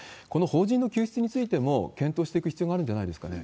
この邦人の救出についても検討していく必要があるんじゃないです